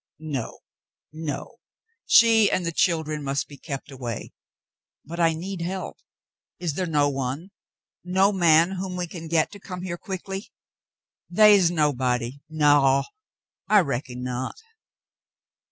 "No, no ! She and the children must be kept away; Cassandra and David 97 but I need help. Is there no one — no man whom we can get to come here quickly ?" "They is nobody — naw — I reckon not."